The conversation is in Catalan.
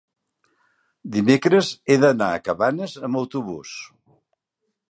dimecres he d'anar a Cabanes amb autobús.